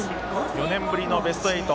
４年ぶりのベスト８